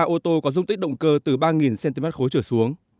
ba mươi ba ô tô có dung tích động cơ từ ba cm khối trở xuống